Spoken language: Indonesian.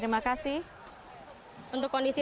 kita akan mencoba kesana